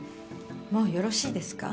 もうよろしいですか？